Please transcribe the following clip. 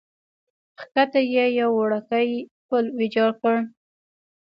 کښته یې یو وړوکی پل ویجاړ کړی.